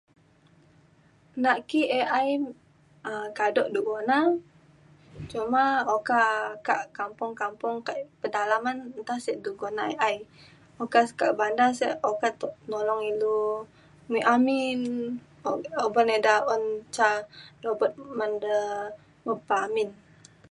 nak ki AI um kado du guna cuma oka kak kampung kampung kak pedalaman nta sek du guna AI. okak kak bandar sek okak to- sek nolong ilu muek amin o- uban ida un ca mopet men de mepa amin